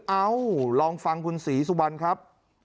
เอ้าลองฟังคุณศรีสุวรรณครับ